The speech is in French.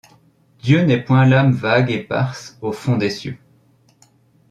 Dieu n’est point l’âme vague éparse au fond des cieux.